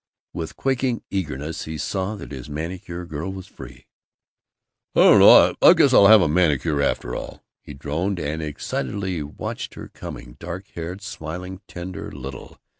With quaking eagerness he saw that his manicure girl was free. "I don't know, I guess I'll have a manicure after all," he droned, and excitedly watched her coming, dark haired, smiling, tender, little.